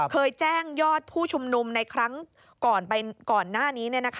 เคยแจ้งยอดผู้ชุมนุมในครั้งก่อนหน้านี้